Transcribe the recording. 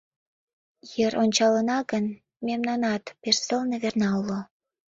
Йыр ончалына гын, мемнанат пеш сылне верна уло.